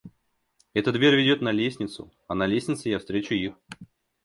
Эта дверь ведет на лестницу, а на лестнице я встречу их.